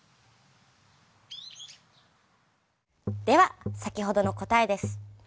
では先ほどの答えです。